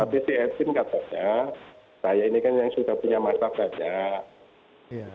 tapi si edwin katanya saya ini kan yang sudah punya masa banyak